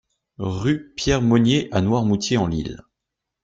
Rue Pierre Monnier à Noirmoutier-en-l'Île